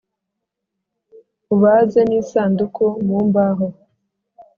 ubaze n’isanduku mu mbaho